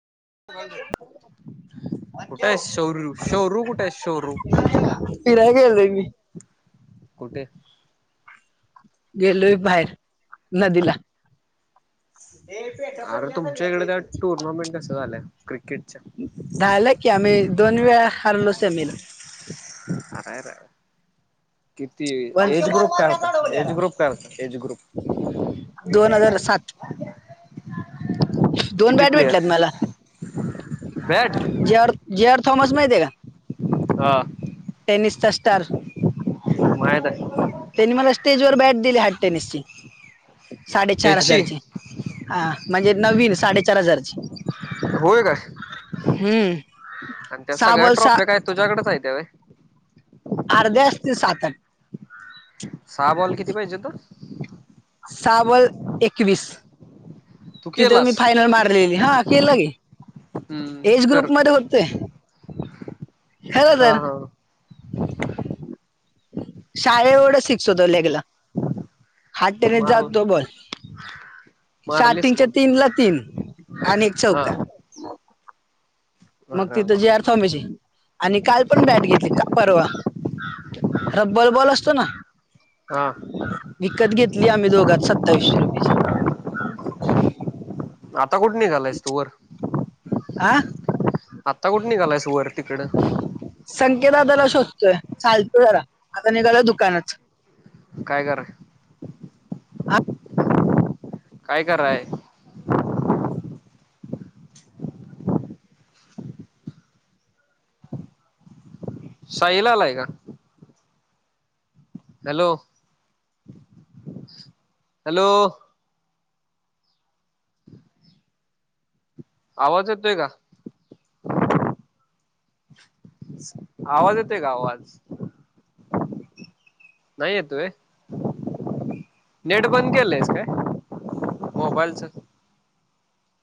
[inaudible] कुठे आहे शौरू? शौरू कुठे आहे? शौरू फिराय गेलोय मी कुठे? गेलोय बाहेर नदीला. अरे तुमच्या इकडे त्या टुर्नामेंट कशा झाल्या क्रिकेटच्या. झालं की, आम्ही दोन वेळा हरलो सेमीला. अरर किती वन एज ग्रुप काय? एज ग्रुप कायं होतं, एज ग्रुप. दोन हजार सात. दोन किती बॅट भेटल्यात प्लेयर मला, bat J. R. J. R. Thomas माहिती आहे का, हा टेनिसचा स्टार. माहित आहे. त्यांनी मला स्टेज वर बॅट दिली हार्ट टेनिसची, साडेचार त्याची हजारची. हा म्हणजे नवीन, साडेचार हजारची. होय काय, हम्म आणि त्या सहा सगळ्या बॉल सहा ट्रॉफ्या काय तुझ्याकडेच आहे काय. अर्ध्या असतील सात, आठ. सहा बॉल किती पाहिजेत जे हो. सहा बॉल एकवीस तू तिथं मी केलास फायनल मारलेली, हा केलं गी. हम्म एज तर ग्रुप मध्ये होते, खरं हा तर. हा शाळे एवढे सिक्स होतं लेगला. हॉर्ट टेनिस मारल जातो बॉल, मारलीस का स्टार्टिंगच्या तीन ला तीन. आणि एक हा चौका. मग अरे तिथं जे. बाप आर. थॉमस, आणि काल पण बॅट घेतली का परवा. रब्बल बॉल असतो ना. हा विकत घेतली आम्ही दोघात, सत्तावीशे रुपये. आता कुठं निघालायस तू वर. हा. आता कुठे निघालायस वर तिकडं. संक्या दादाला शोधतोय चालतो जरा, आता निघालोय दुकानात. काय कराय. काय कराय. साहिल आलाय का. हॅलो हॅलो आवाज येतोय का. आवाज येतोय का, आवाज. नाही येत होय. नेट बंद केलंयस काय मोबाईलच.